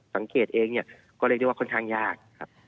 สังเกตเองเนี่ยก็เรียกได้ว่าค่อนข้างยากครับ